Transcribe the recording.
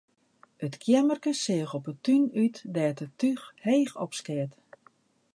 It keammerke seach op 'e tún út, dêr't it túch heech opskeat.